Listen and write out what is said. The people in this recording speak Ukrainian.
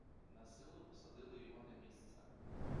Насилу посадили його на місце.